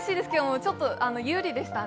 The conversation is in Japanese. ちょっと今日有利でしたね。